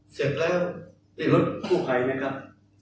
เสร็จแล้วนี่รถคู่ไข่ไหมครับ